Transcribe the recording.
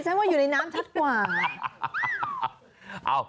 ฉันว่าอยู่ในน้ำชัดกว่า